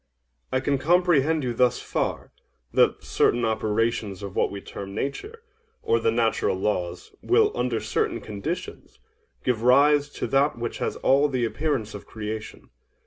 OINOS. I can comprehend you thus far—that certain operations of what we term Nature, or the natural laws, will, under certain conditions, give rise to that which has all the appearance of creation.